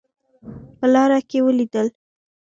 په لاره کې ولیدل.